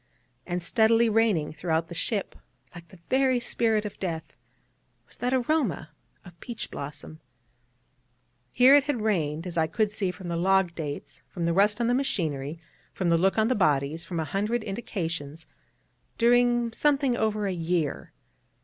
And steadily reigning throughout the ship, like the very spirit of death, was that aroma of peach blossom. Here it had reigned, as I could see from the log dates, from the rust on the machinery, from the look of the bodies, from a hundred indications, during something over a year.